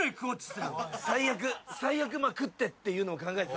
最悪まあ食ってっていうのを考えてた。